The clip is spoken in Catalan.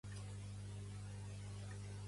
De quin pacte li ha parlat Aragonès a Torra?